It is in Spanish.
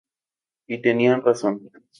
Y tenían razón.